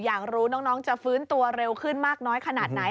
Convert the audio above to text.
อยากรู้น้องจะฟื้นตัวเร็วขึ้นมากน้อยขนาดไหน